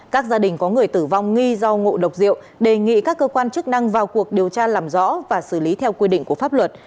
các gia đình có người tử vong nghi do ngộ độc rượu đề nghị các cơ quan chức năng vào cuộc điều tra làm rõ và xử lý theo quy định của pháp luật